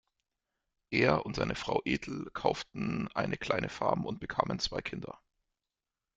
Er und seine Frau Ethel kauften eine kleine Farm und bekamen zwei Kinder.